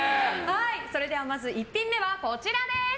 それではまず１品目はこちら。